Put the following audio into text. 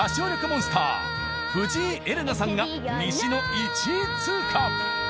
モンスター藤井エレナさんが西の１位通過！